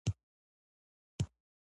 د ټکنالوجۍ وده د اړیکو بڼه بدله کړې ده.